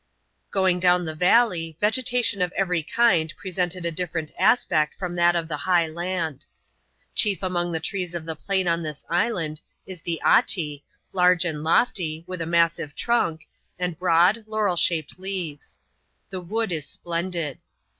Going down the valley, vegetation of every kind presented a different aspect from that of the high land. Chief among the trees of the plain on this island, is the ^^AH^^ large and lofty, with a massive trunk, and broad, laurel shaped leaves. The wood is splendid.